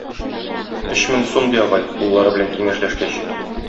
Өч мең сум, - ди агай, уллары белән киңәшләшкәч.